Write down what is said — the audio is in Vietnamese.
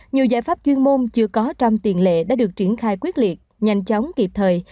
nhiều giải pháp chuyên môn chưa có trong tiền lệ đã được triển khai quyết liệt nhanh chóng kịp thời